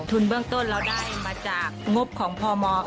เบื้องต้นเราได้มาจากงบของพม